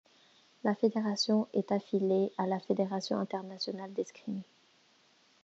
La fédération est affiliée à la Fédération internationale d'escrime.